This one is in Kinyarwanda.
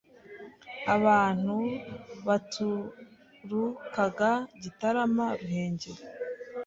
abantu baturukaga Gitarama, Ruhengeri